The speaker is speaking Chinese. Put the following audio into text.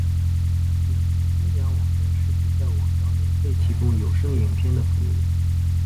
影片分享网站是指在网上免费提供有声影片的服务。